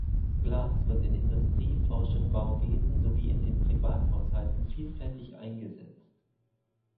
Glas wird in Industrie, Forschung, Bauwesen sowie in den Privathaushalten vielfältig eingesetzt.